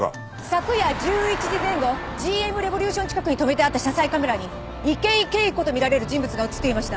昨夜１１時前後ＧＭレボリューション近くに止めてあった車載カメラに池井景子と見られる人物が映っていました。